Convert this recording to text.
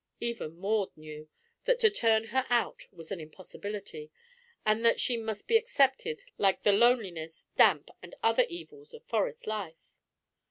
Even Maud knew that to turn her out was an impossibility, and that she must be accepted like the loneliness, damp, and other evils of Forest life.